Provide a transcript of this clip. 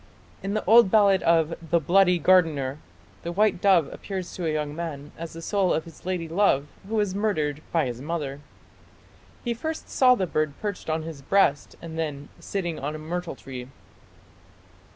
In the old ballad of "The Bloody Gardener" the white dove appears to a young man as the soul of his lady love who was murdered by his mother. He first saw the bird perched on his breast and then "sitting on a myrtle tree".